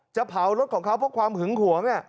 จะเผารถของเขาเพราะความหึงหวง